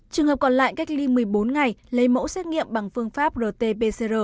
trường hợp còn lại cách ly một mươi bốn ngày lấy mẫu xét nghiệm bằng phương pháp rt pcr